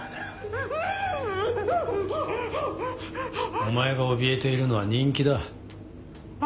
お前がおびえているのは人気だ。は？